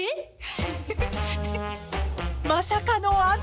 ［まさかの雨］